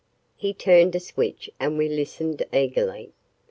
He turned a switch and we listened eagerly.